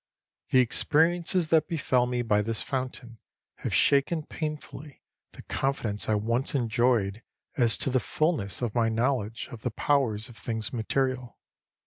The experiences that befell me by this fountain have shaken painfully the confidence I once enjoyed as to the fulness of my knowledge of the powers of things material.